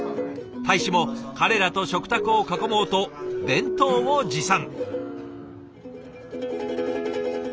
大使も彼らと食卓を囲もうと弁当を持参。